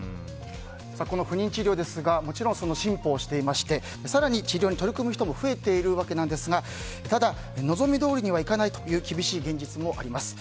この不妊治療ですがもちろん進歩していまして更に、治療に取り組む人も増えているわけなんですがただ、望みどおりにはいかないという厳しい現実もあります。